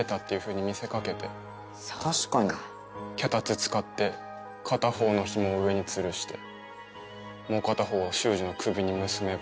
脚立使って片方のひもを上につるしてもう片方は秀司の首に結べば。